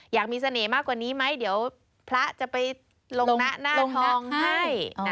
อยากมีเสน่ห์มากกว่านี้ไหมเดี๋ยวพระจะไปลงหน้าหน้าทองให้